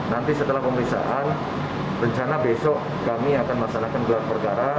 nanti setelah pemeriksaan rencana besok kami akan masyarakat bergara gara